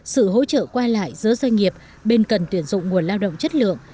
sự hỗ trợ quay lại giữa doanh nghiệp bên cần tuyển dụng nguồn lao động chất lượng